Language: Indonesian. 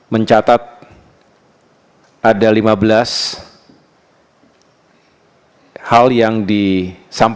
menit sebelum kita berbuka puasa